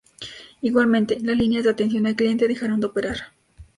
Igualmente, las líneas de atención al cliente dejaron de operar.